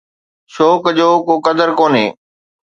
شوق جو ڪو قدر ڪونهي